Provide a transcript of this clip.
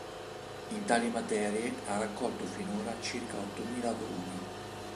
In tali materie ha raccolto finora circa ottomila volumi.